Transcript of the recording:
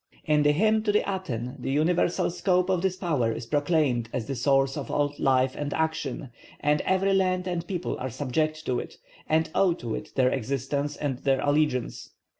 In the hymn to the Aten the universal scope of this power is proclaimed as the source of all life and action, and every land and people are subject to it, and owe to it their existence and their allegiance.